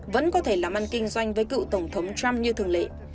vẫn có thể làm ăn kinh doanh với cựu tổng thống trump như thường lệ